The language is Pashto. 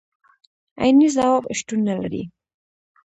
عيني ځواب شتون نه لري.